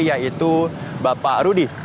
yaitu bapak rudi